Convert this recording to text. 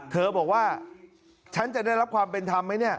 เธอบอกว่าฉันจะได้รับความเป็นธรรมไหมเนี่ย